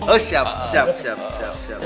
oh siap siap siap